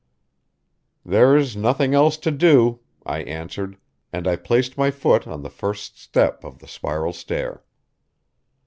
"There is nothing else to do," I answered, and I placed my foot on the first step of the spiral stair.